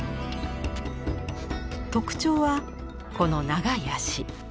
特徴はこの長い脚。